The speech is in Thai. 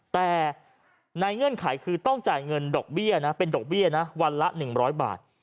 แต่ในเงื่อนไขคือต้องจ่ายเงินดอกเบี้ยนะเป็นดอกเบี้ยนะวันละ๑๐๐บาท